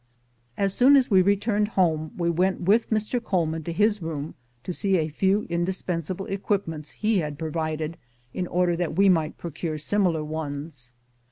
As soon as we returned home we went with Mr. Coleman to his room to see a few indispensable equipments he had provided, in order that we might procure similar ones.